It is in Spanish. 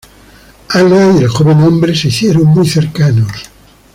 Anna y el joven hombre se hicieron muy cercanos.